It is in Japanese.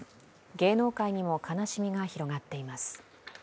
芸能界にも悲しみが広がっています。